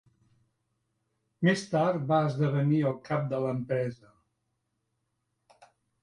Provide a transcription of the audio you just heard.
Més tard va esdevenir el cap de l'empresa.